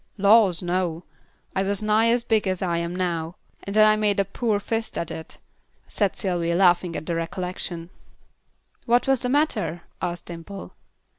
"Laws, no. I was nigh as big as I am now, and then I made a poor fist at it," said Sylvy, laughing at the recollection. "What was the matter?" asked Dimple.